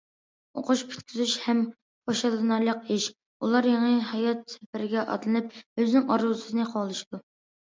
ئوقۇش پۈتكۈزۈش ھەم خۇشاللىنارلىق ئىش، ئۇلار يېڭى ھايات سەپىرىگە ئاتلىنىپ، ئۆزىنىڭ ئارزۇسىنى قوغلىشىدۇ.